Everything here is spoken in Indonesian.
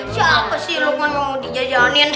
siapa sih lu kan mau dijajanin